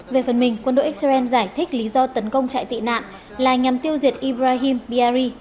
về phần mình quân đội xrn giải thích lý do tấn công chạy tị nạn là nhằm tiêu diệt ibrahim biyari